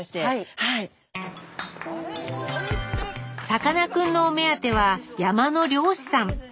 さかなクンのお目当ては山の漁師さん。